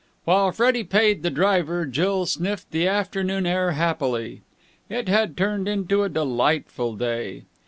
While Freddie paid the driver, Jill sniffed the afternoon air happily. It had turned into a delightful day.